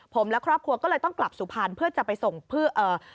ผมและครอบครัวก็เลยต้องกลับสุพรรณเพื่อจะไปส่งเพื่อเอ่อ